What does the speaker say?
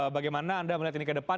bagaimana anda melihat ini ke depan